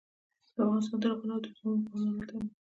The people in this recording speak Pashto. افغانستان تر هغو نه ابادیږي، ترڅو مو پام عمل ته نه وي.